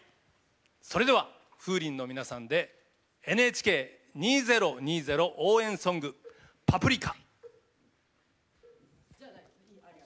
それではＦｏｏｒｉｎの皆さんでＮＨＫ２０２０応援ソング「パプリカ」。